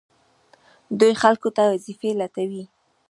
دوی خلکو ته وظیفې لټوي.